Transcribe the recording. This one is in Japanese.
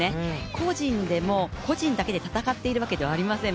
個人でも、個人だけで戦ってるわけではありません。